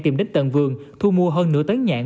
tìm đích tận vườn thu mua hơn nửa tấn nhãn